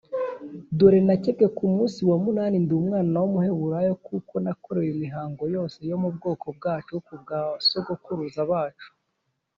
Dore nakebwe ku munsi wa munani ndi umwana w’umuheburayo kuko nakorewe imihango yose yo mubwoko bwacu kubwaba Sogokuruza bacu.